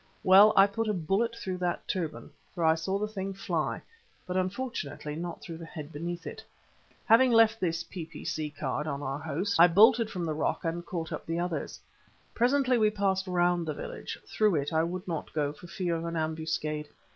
Well, I put a bullet through that turban, for I saw the thing fly, but unfortunately, not through the head beneath it. Having left this P.P.C. card on our host, I bolted from the rock and caught up the others. Presently we passed round the village; through it I would not go for fear of an ambuscade.